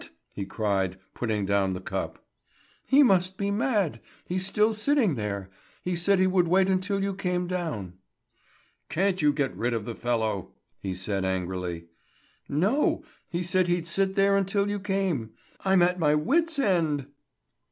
he cried, putting down the cup. "He must be mad. He's still sitting there. He said he would wait until you came down." "Can't you get rid of the fellow?" he said angrily. "No. He said he'd sit there now until you came. I'm at my wits' end!"